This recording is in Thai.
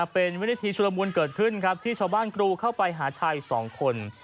เป็นวินาทีชุลมูลเกิดขึ้นครับที่ชาวบ้านกรูเข้าไปหาชายสองคน